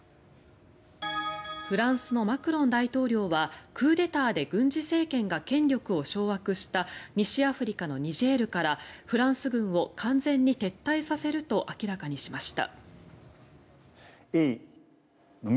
フランスのマクロン大統領はクーデターで軍事政権が権力を掌握した西アフリカのニジェールからフランス軍を完全に撤退させると明らかにしました。